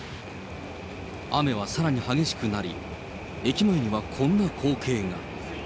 雨はさらに激しくなり、駅前にはこんな光景が。